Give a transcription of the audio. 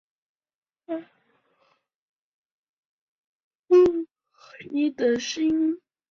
耿浩一时惊呆。